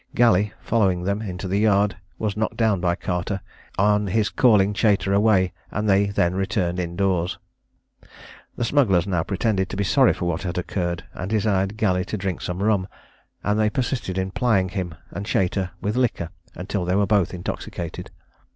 Galley, following them into the yard, was knocked down by Carter, on his calling Chater away, and they then returned in doors. The smugglers now pretended to be sorry for what had occurred, and desired Galley to drink some rum, and they persisted in plying him and Chater with liquor until they were both intoxicated.